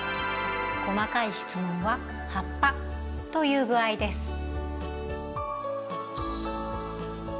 細かい質問は「葉っぱ」という具合です。